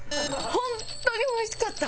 本当においしかった！